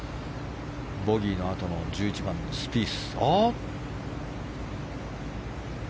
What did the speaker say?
ボギーのあとの１１番、スピース。